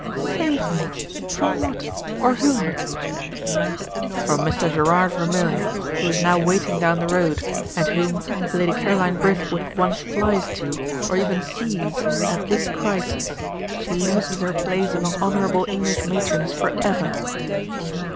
"Save me? From what or whom?" "From Mr. Gerard Vermilye, who is now waiting down the road, and whom, if Lady Caroline Brithwood once flies to, or even sees, at this crisis, she loses her place among honourable English matrons for ever."